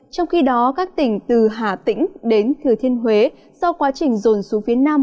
trong khi đó các tỉnh từ hà tĩnh đến thừa thiên huế do quá trình rồn xuống phía nam